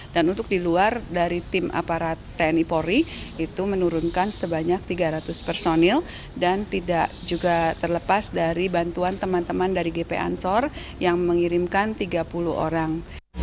dan untuk di luar dari tim aparat tni pori itu menurunkan sebanyak tiga ratus personil dan tidak juga terlepas dari bantuan teman teman dari gp ansor yang mengirimkan tiga puluh orang